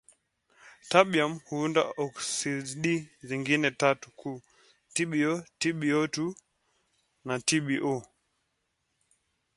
Terbium forms three other major oxides: TbO, TbO, and TbO.